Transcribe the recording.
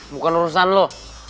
bukan urusan lo